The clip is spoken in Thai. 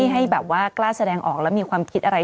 ให้แบบว่ากล้าแสดงออกแล้วมีความคิดอะไร